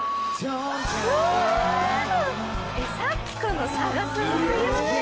さっきとの差がすごすぎません！？